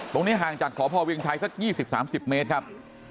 ห่างจากสพเวียงชัยสัก๒๐๓๐เมตรครับ